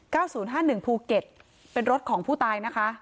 ศูนย์ห้าหนึ่งภูเก็ตเป็นรถของผู้ตายนะคะ